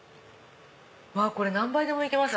これ何杯でもいけます